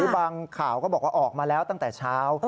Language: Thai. คือบางข่าวก็บอกว่าออกมาแล้วตั้งแต่เช้า